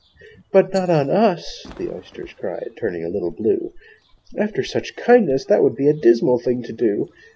'But not on us!' the Oysters cried, Turning a little blue. 'After such kindness, that would be A dismal thing to do!'